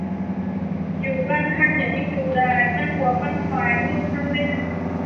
อยู่บ้านท่านอย่านิ่งดูดาย ปั้นวัวปั้นควายให้ลูกท่านเล่น